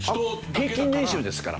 平均年収ですから。